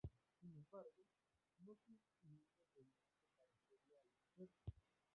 Sin embargo, no tienen ningún impedimento para hacerlo al toser.